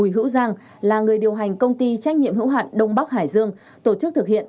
hành công ty trách nhiệm hữu hạn đông bắc hải dương tổ chức thực hiện